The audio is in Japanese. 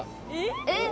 えっ！